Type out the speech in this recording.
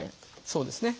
そうですね。